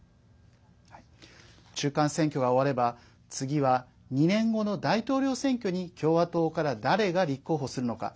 中間選挙が終われば次は２年後の大統領選挙に共和党から誰が立候補するのか。